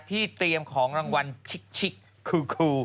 ที่เตรียมของรางวัลชิกคือ